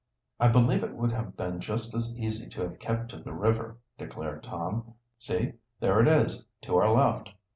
"I believe it would have been just as easy to have kept to the river," declared Tom "See, there it is, to our left."